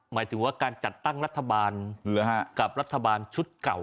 หมายถึงว่าการจัดตั้งรัฐบาลกับรัฐบาลชุดเก่า